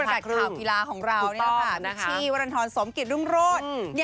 ผู้ประกัดข่าวธีราของเราปิชชีวรรณฑรสมกิจรุ้งโรศ